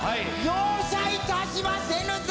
容赦いたしませぬぞ。